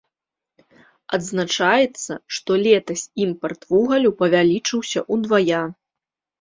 Адзначаецца, што летась імпарт вугалю павялічыўся ўдвая.